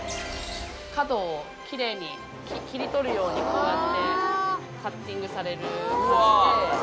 角をキレイに切り取るようにこうやってカッティングされる。